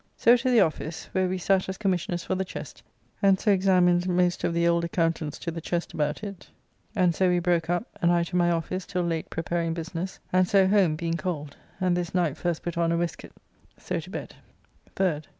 So to the office, where we sat as Commissioners for the Chest, and so examined most of the old accountants to the Chest about it, and so we broke up, and I to my office till late preparing business, and so home, being cold, and this night first put on a wastecoate. So to bed. 3rd.